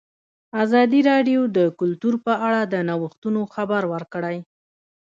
ازادي راډیو د کلتور په اړه د نوښتونو خبر ورکړی.